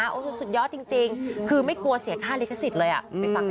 ก็คือสุดยอดจริงคือไม่กลัวเสียค่าลิขสิทธิเลยอะ